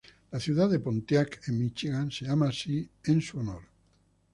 La ciudad de Pontiac en Míchigan es llamada así en su honor.